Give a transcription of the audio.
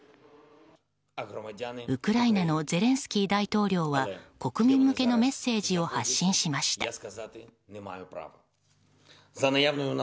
ウクライナのゼレンスキー大統領は国民向けのメッセージを発信しました。